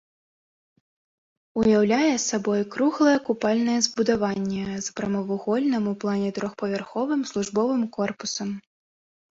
Уяўляе сабой круглае купальнае збудаванне з прамавугольным у плане трохпавярховым службовым корпусам.